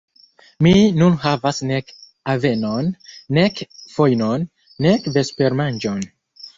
Mi nun havas nek avenon, nek fojnon, nek vespermanĝon.